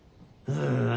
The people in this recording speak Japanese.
ああ？